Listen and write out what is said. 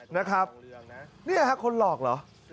นี่คือคนหลอกเหรอ